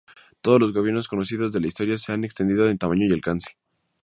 Todos los gobiernos conocidos de la historia se han extendido en tamaño y alcance.